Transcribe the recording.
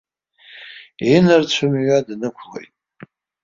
Инарцәымҩа днықәлоит.